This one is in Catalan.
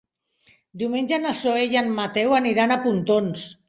Diumenge na Zoè i en Mateu aniran a Pontons.